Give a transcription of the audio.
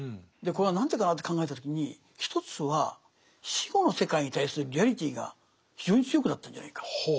これは何でかなって考えた時に一つは死後の世界に対するリアリティーが非常に強くなったんじゃないか。